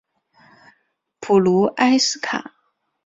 普卢埃斯卡。